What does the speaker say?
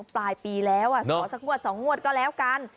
ปลายปีแล้วสองงวดก็แล้วกัน